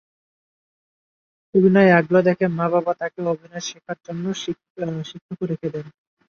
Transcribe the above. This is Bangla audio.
অভিনয়ে আগ্রহ দেখে মা বাবা তাঁকে অভিনয় শেখার জন্য শিক্ষকও রেখে দেন।